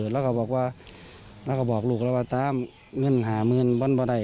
แล้วก็บอกว่าแล้วก็บอกลูกเราว่าตามเงินหาเงินบ้างไม่ได้